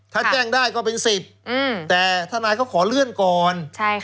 ถ้าแจ้งได้ก็เป็น๑๐แต่ทนายเขาขอเลื่อนก่อน